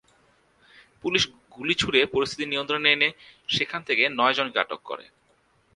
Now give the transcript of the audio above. Police গুলি ছুড়ে পরিস্থিতি নিয়ন্ত্রণে এনে সেখান থেকে নয়জনকে আটক করে।